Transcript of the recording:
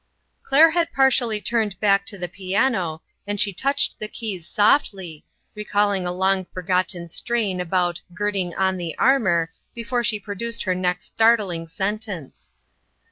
Claire had partially turned back to the piano, and she touched the keys softly, re calling a long forgotten strain about " Gird ing on the armor," before she produced her next startling sentence.